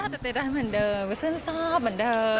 จะได้ได้เหมือนเดิมซึ้นซ่อมเหมือนเดิม